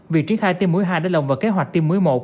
vị trí khai tiêm mũi hai đã lồng vào kế hoạch tiêm mũi một